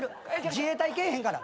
自衛隊来えへんから。